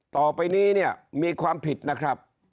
ต่อไปนี้มีความผิดนะครับ